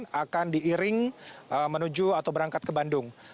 dan akan diiring menuju atau berangkat ke bandung